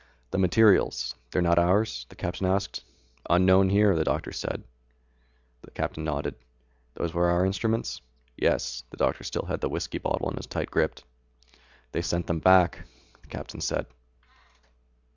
"The materials, they're not ours?" the captain asked. "Unknown here," the doctor said. The captain nodded. "Those were our instruments?" "Yes." The doctor still held the whiskey bottle in a tight grip. "They sent them back," the captain said.